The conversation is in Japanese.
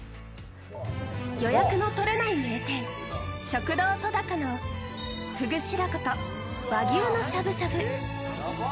予約の取れない名店食堂とだかのフグ白子と和牛のしゃぶしゃぶ。